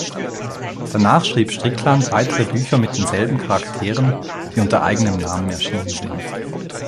Danach schrieb Strickland weitere Bücher mit denselben Charakteren, die unter eigenem Namen erschienen sind.